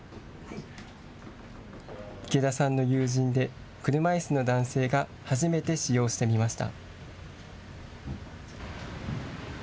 池田さんの友人で車いすの男性が初めて使用してみました。